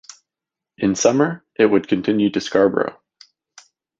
In summer it would continue to Scarborough.